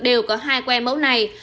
đều có hai que mẫu này